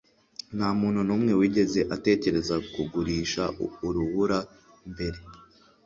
Nta muntu n'umwe wigeze atekereza kugurisha urubura mbere.